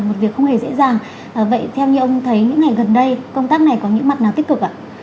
một việc không hề dễ dàng vậy theo như ông thấy những ngày gần đây công tác này có những mặt nào tích cực ạ